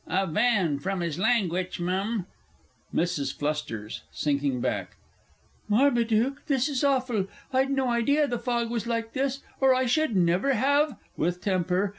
A van, from 'is langwich, M'm. MRS. F. (sinking back). Marmaduke, this is awful. I'd no idea the fog was like this or I should never have (_With temper.